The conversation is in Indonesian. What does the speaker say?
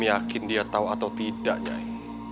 belum yakin dia tahu atau tidak nyai